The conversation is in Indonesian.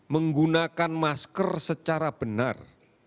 menggunakan masker secara benar